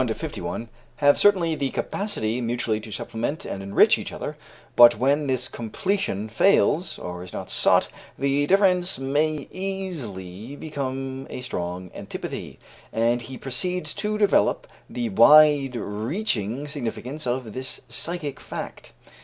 41 51), "have certainly the capacity mutually to supplement and enrich each other; but when this completion fails, or is not sought, the difference may easily become a strong antipathy;" and he proceeds to develop the wide reaching significance of this psychic fact.